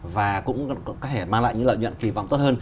và cũng có thể mang lại những lợi nhuận kỳ vọng tốt hơn